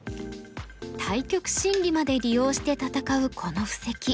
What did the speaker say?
対局心理まで利用して戦うこの布石。